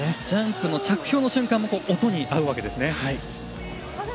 ジャンプの着氷の瞬間も音に合うわけですね。